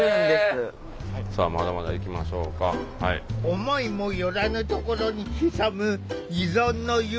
思いも寄らぬところに潜む依存の誘惑。